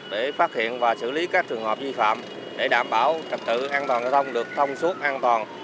để phát hiện và xử lý các trường hợp vi phạm để đảm bảo trật tự an toàn giao thông được thông suốt an toàn